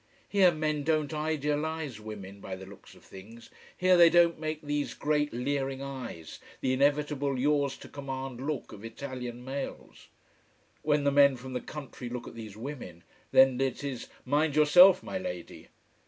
Here men don't idealise women, by the looks of things. Here they don't make these great leering eyes, the inevitable yours to command look of Italian males. When the men from the country look at these women, then it is Mind yourself, my lady.